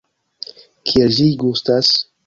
Kiel ĝi gustas?